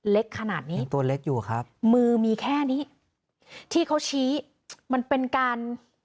เล็กขนาดนี้มีตัวเล็กอยู่ครับมือมีแค่นี้ที่เขาชี้มันเป็นการ